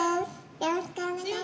よろしくお願いします。